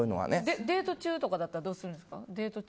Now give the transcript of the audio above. デート中だったらどうするんですか？